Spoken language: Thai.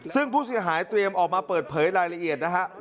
ซึ่งผู้เสียหายเตรียมออกมาเปิดเผยรายละเอียดนะฮะ